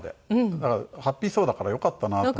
だからハッピーそうだからよかったなと思って。